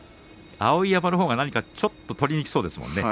碧山のほうがちょっと取りにくそうですもんね。